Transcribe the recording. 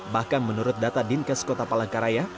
bahkan menurut data dinkes kota palangkaraya